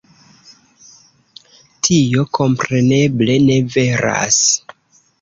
Tio kompreneble ne veras.